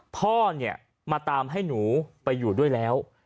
พ่อเนี่ยมาตามให้หนูไปอยู่ด้วยแล้ว